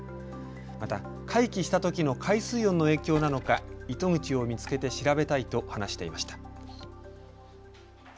また回帰したときの海水温の影響なのか糸口を見つけて調べたいと話していました。